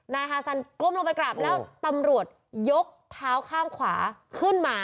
นายฮาซันก้มลงไปกราบแล้วตำรวจยกเท้าข้างขวาขึ้นมา